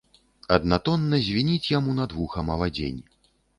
Аднатонна звініць яму над вухам авадзень.